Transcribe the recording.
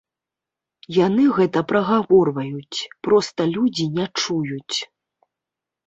Яны гэта прагаворваюць, проста людзі не чуюць.